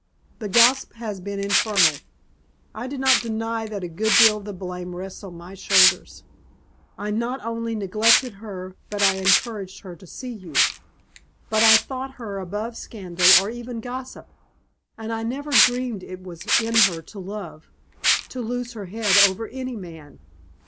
The gossip has been infernal. I do not deny that a good deal of the blame rests on my shoulders. I not only neglected her but I encouraged her to see you. But I thought her above scandal or even gossip, and I never dreamed it was in her to love to lose her head over any man.